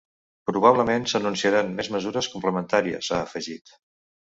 Probablement s’anunciaran més mesures complementàries, ha afegit.